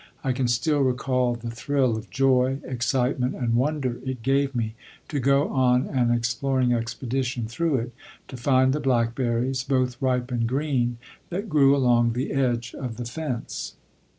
I can still recall the thrill of joy, excitement, and wonder it gave me to go on an exploring expedition through it, to find the blackberries, both ripe and green, that grew along the edge of the fence.